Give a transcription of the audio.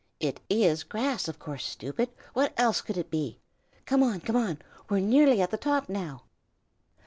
"It is grass, of course, stupid! what else could it be? Come on! come on! we are nearly at the top, now."